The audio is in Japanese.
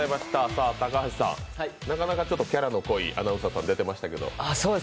さあ、高橋さん、なかなかキャラの濃いアナウンサーさん出てましたけど。